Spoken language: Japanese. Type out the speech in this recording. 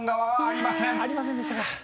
ありませんでしたか。